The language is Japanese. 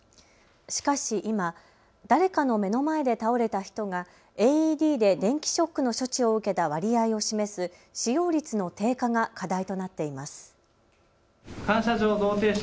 しかし今、誰かの目の前で倒れた人がＡＥＤで電気ショックの処置を受けた割合を示す使用率の低下が課題となっています。